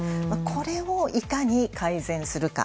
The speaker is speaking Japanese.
これをいかに改善するか。